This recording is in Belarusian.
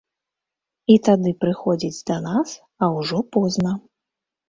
І тады прыходзяць да нас, а ўжо позна.